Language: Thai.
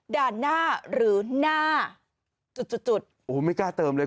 ด่านหน้าหรือหน้าจุดจุดจุดโอ้โหไม่กล้าเติมเลย